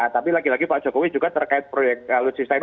tapi lagi lagi pak jokowi juga terkait proyek alutsista